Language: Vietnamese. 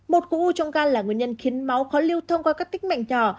một cụ u trong gan là nguyên nhân khiến máu khó lưu thông qua các tích mạch nhỏ